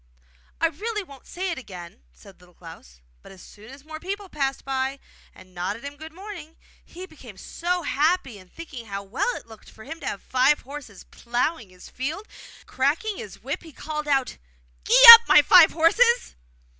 'I really won't say it again!' said Little Klaus. But as soon as more people passed by, and nodded him good morning, he became so happy in thinking how well it looked to have five horses ploughing his field that, cracking his whip, he called out 'Gee up, my five horses!